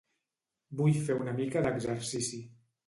Vull fer una mica d"exercici.